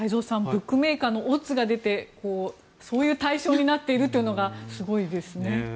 ブックメーカーのオッズが出てそういう対象になっているというのがすごいですね。